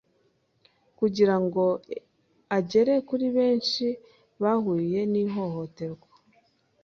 kugira ngo agere kuri benshi bahuye ni hohoterwa.